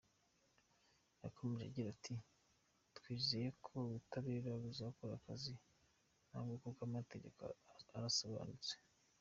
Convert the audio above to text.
Yakomeje agira ati “Twizeye ko ubutabera buzakora akazi kabwo kuko amategeko arasobanutse.